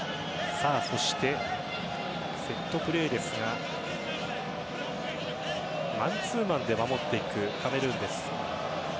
そしてセットプレーですがマンツーマンで守るカメルーン。